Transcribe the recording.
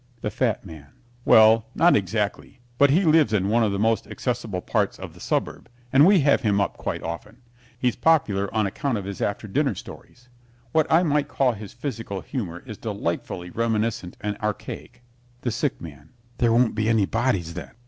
THE FAT MAN Well, not exactly, but he lives in one of the most accessible parts of the suburb, and we have him up quite often. He's popular on account of his after dinner stories. What I might call his physical humor is delightfully reminiscent and archaic. THE SICK MAN There won't be any bodies, then?